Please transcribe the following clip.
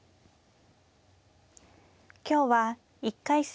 今日は１回戦